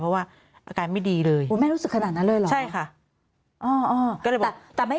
เพราะว่าอาการไม่ดีเลยไม่รู้สึกขนาดนั้นเลยเหรอใช่ค่ะ